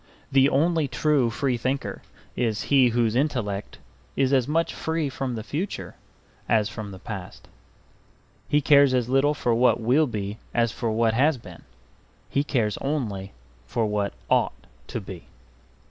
The only true free thinker is he whose intellect is as much free from the future as from the past. He cares as little for what will be as for what has been; he cares only for what ought to be.